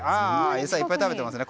餌、いっぱい食べてますね。